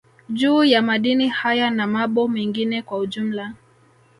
Juu ya Madini haya na mabo mengine kwa ujumla